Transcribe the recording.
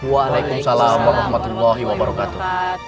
waalaikumsalam warahmatullahi wabarakatuh